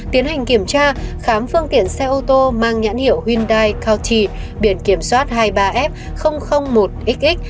tiến hành kiểm tra khám phương tiện xe ô tô mang nhãn hiệu hyundai couty biển kiểm soát hai mươi ba f một xx